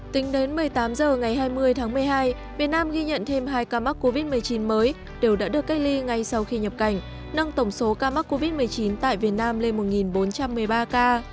tính đến một mươi tám h ngày hai mươi tháng một mươi hai việt nam ghi nhận thêm hai ca mắc covid một mươi chín mới đều đã được cách ly ngay sau khi nhập cảnh nâng tổng số ca mắc covid một mươi chín tại việt nam lên một bốn trăm một mươi ba ca